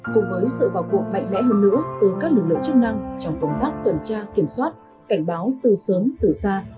cùng với sự vào cuộc mạnh mẽ hơn nữa từ các lực lượng chức năng trong công tác tuần tra kiểm soát cảnh báo từ sớm từ xa